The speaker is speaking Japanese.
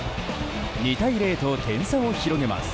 ２対０と点差を広げます。